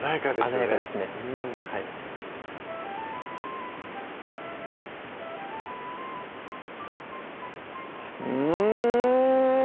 鮮やかですねうん！